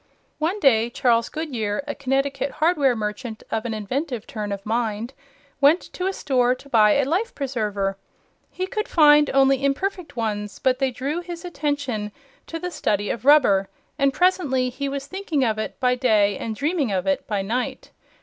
One day Charles Goodyear, a Connecticut hardware merchant of an inventive turn of mind, went to a store to buy a life preserver. He could find only imperfect ones, but they drew his attention to the study of rubber, and presently he was thinking of it by day and dreaming of it by night.